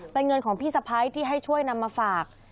เป็นเงินของพี่สะพ้ายที่ให้ช่วยนำมาฝาก